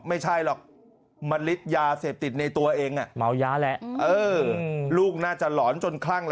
ไม่ใช่หรอกมันริดยาเสพติดในตัวเองเออลูกน่าจะหลอนจนคลั่ง